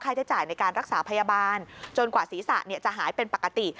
ใช้จ่ายในการรักษาพยาบาลจนกว่าศีรษะจะหายเป็นปกติ